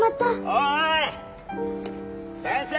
おーい先生！